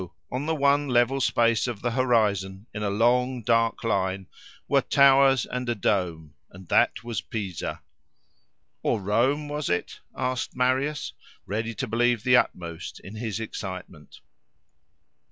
on the one level space of the horizon, in a long dark line, were towers and a dome: and that was Pisa.—Or Rome, was it? asked Marius, ready to believe the utmost, in his excitement.